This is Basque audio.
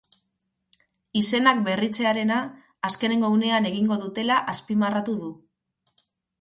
Izenak berritzearena azkeneko unean egingo dutela azpimarratu du.